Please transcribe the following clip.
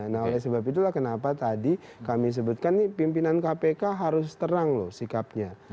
nah oleh sebab itulah kenapa tadi kami sebutkan nih pimpinan kpk harus terang loh sikapnya